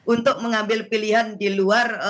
untuk mengambil pilihan di luar